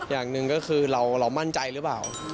อย่างหนึ่งก็คือเรามั่นใจหรือเปล่า